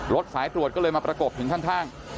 สายตรวจก็เลยมาประกบถึงข้าง